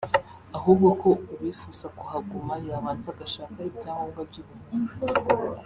ahubwo ko uwifuza kuhaguma yabanza agashaka ibyangombwa by’ubuhunzi